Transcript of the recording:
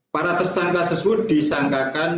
para tersangka tersebut disangkakan